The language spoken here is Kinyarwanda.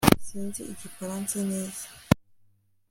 sinzi igifaransa neza